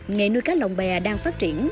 nghề nuôi cá lồng bè đang phát triển